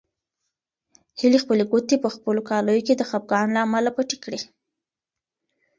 هیلې خپلې ګوتې په خپلو کالیو کې د خپګان له امله پټې کړې.